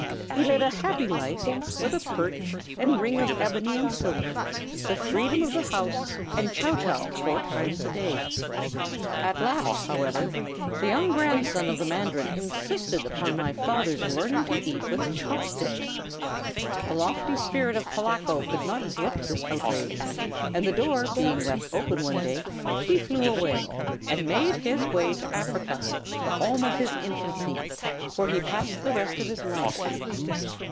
He led a happy life, with a perch and ring of ebony and silver, the freedom of the house, and chow chow four times a day. At last, however, the young grandson of the mandarin insisted upon my father's learning to eat with chopsticks. The lofty spirit of Polacko could not brook this outrage, and the door being left open one day he flew away and made his way to Africa, the home of his infancy, where he passed the rest of his life.